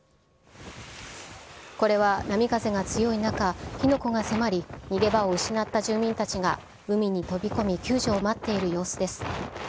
これは波風が強い中、火の粉が迫り、逃げ場を失った住人たちが、海に飛び込み、救助を待っている様子です。